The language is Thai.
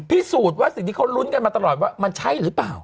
พิสูจน์ว่าสิ่งที่เขาลุ้นกันมาตลอดว่ามันใช่หรือเปล่า